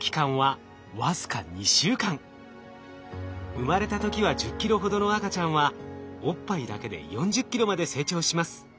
生まれた時は１０ｋｇほどの赤ちゃんはおっぱいだけで４０ｋｇまで成長します。